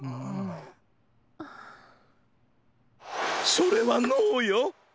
それはノーよ！